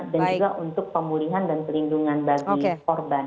dan juga untuk pemulihan dan pelindungan bagi korban